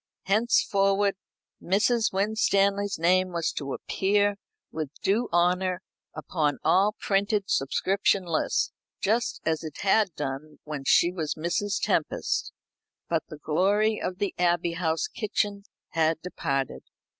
Henceforward Mrs. Winstanley's name was to appear with due honour upon all printed subscription lists, just as it had done when she was Mrs. Tempest; but the glory of the Abbey House kitchen had departed.